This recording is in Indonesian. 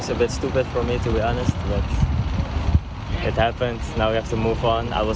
ya saya pikir itu agak bodoh untuk saya tapi itu terjadi